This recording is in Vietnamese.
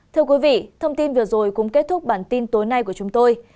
thưa quý vị thông tin vừa rồi cũng kết thúc bản tin tối nay của chúng tôi